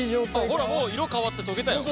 ほらもう色変わって溶けたよ！